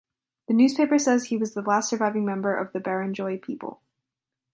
The newspaper says he was the last surviving member of the Barrenjoey people.